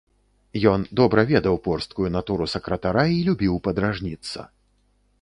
Ён добра ведаў порсткую натуру сакратара й любіў падражніцца.